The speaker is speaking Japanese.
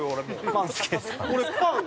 ◆パン好きですか。